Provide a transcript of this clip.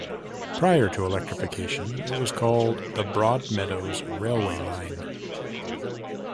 Prior to electrification it was called the Broadmeadows railway line.